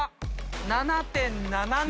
７．７７。